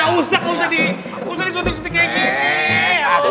gak usah gak usah disuntik suntik kayak gini